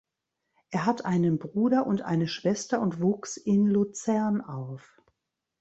Er hat einen Bruder und eine Schwester und wuchs in Luzern auf.